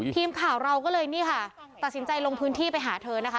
ทีมข่าวเราก็เลยนี่ค่ะตัดสินใจลงพื้นที่ไปหาเธอนะคะ